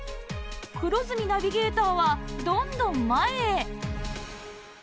黒住ナビゲーターはどんどん前へ